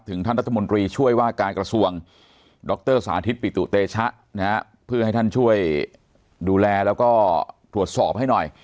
ท่านรัฐมนตรีช่วยว่าการกระทรวงดรสาธิตปิตุเตชะนะฮะเพื่อให้ท่านช่วยดูแลแล้วก็ตรวจสอบให้หน่อย